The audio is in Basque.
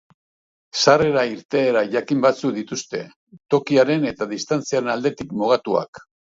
Sarrera-irteera jakin batzuk dituzte, tokiaren eta distantziaren aldetik mugatuak.